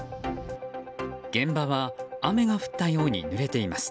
現場は、雨が降ったようにぬれています。